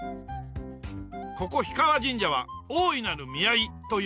ここ氷川神社は「大いなる宮居」といわれ